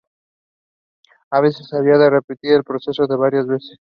A veces había que repetir el proceso varias veces.